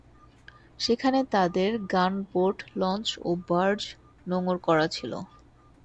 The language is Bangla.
সেখানে তাদের গানবোট, লঞ্চ ও বার্জ নোঙর করা ছিল।